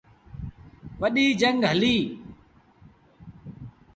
وڏيٚ جھنگ هليٚ۔